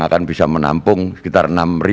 akan bisa menampung sekitar